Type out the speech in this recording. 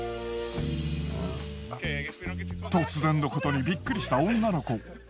突然のことにビックリした女の子。